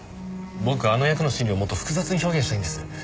僕はあの役の心理をもっと複雑に表現したいんです。